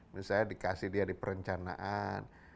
misalnya dikasih dia di perencanaan